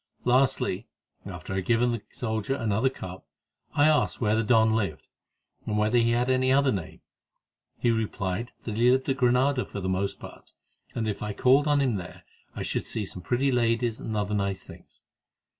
Lastly, after I had given the soldier another cup, I asked where the don lived, and whether he had any other name. He replied that he lived at Granada for the most part, and that if I called on him there I should see some pretty ladies and other nice things.